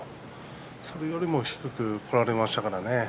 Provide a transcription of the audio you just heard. それよりも低くこられましたから。